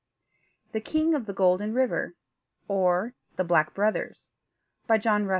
II THE KING OF THE GOLDEN RIVER; OR, THE BLACK BROTHERS I.